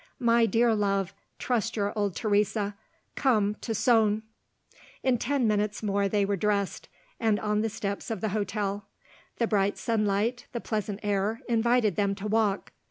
My dear love, trust your old Teresa. Come to Soane!" In ten minutes more they were dressed, and on the steps of the hotel. The bright sunlight, the pleasant air, invited them to walk.